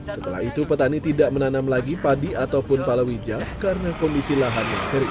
setelah itu petani tidak menanam lagi padi ataupun palawija karena kondisi lahan yang kering